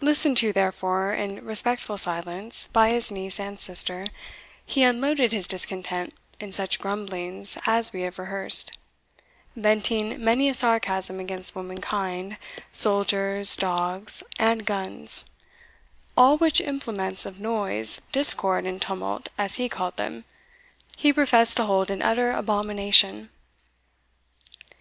Listened to, therefore, in respectful silence, by his niece and sister, he unloaded his discontent in such grumblings as we have rehearsed, venting many a sarcasm against womankind, soldiers, dogs, and guns, all which implements of noise, discord, and tumult, as he called them, he professed to hold in utter abomination.